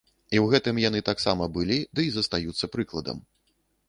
І ў гэтым яны таксама былі дый застаюцца прыкладам.